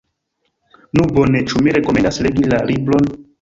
Nu bone, ĉu mi rekomendas legi la libron?